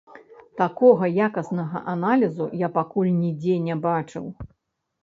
Такога якаснага аналізу я пакуль нідзе не бачыў.